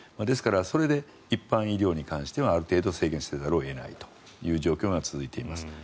ですからそれで一般医療に関してはある程度制限せざるを得ない状況が続いています。